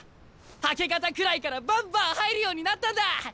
明け方くらいからバンバン入るようになったんだ！